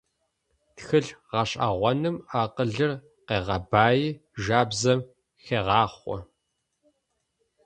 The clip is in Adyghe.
Тхылъ гъэшӏэгъоным акъылыр къегъэбаи, жабзэм хегъахъо.